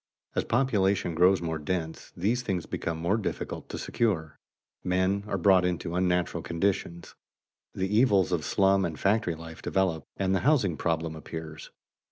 As population grows more dense, these things become more difficult to secure; men are brought into unnatural conditions, the evils of slum and factory life develop, and the housing problem appears.